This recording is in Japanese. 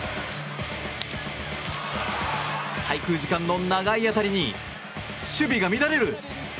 滞空時間の長い当たりに守備が乱れる。